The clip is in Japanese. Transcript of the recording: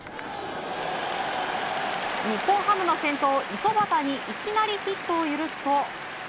日本ハムの先頭、五十幡にいきなりヒットを許すと。